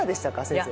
先生。